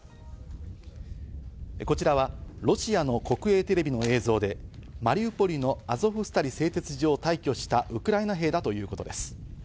こちらはロシアの国営テレビの映像で、マリウポリのアゾフスタリ製鉄所を退去したウクライナ兵だということです。